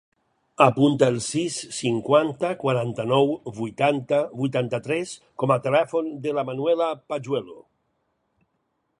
Apunta el sis, cinquanta, quaranta-nou, vuitanta, vuitanta-tres com a telèfon de la Manuela Pajuelo.